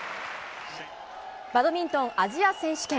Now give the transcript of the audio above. バドミントンアジア選手権。